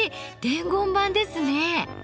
伝言板ですね。